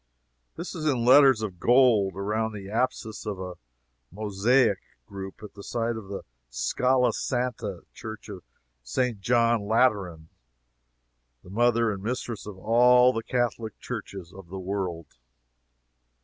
This is in letters of gold around the apsis of a mosaic group at the side of the 'scala santa', church of St. John Lateran, the Mother and Mistress of all the Catholic churches of the world.